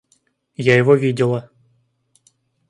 Я его видела.